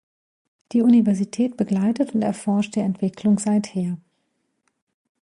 Die Universität begleitet und erforscht die Entwicklung seither.